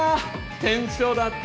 店長だった。